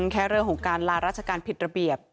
แค่เรื่องของการลาราชการผิดระเบียบ